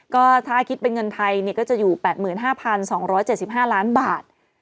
ก็ถ้าคิดเป็นเงินไทยก็จะอยู่๘๕๒๗๕ล้านบาท